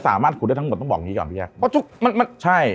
สามารถขุดได้ทั้งหมดต้องบอกนี้ก่อนพี่แกมันต่อมาใช่มัน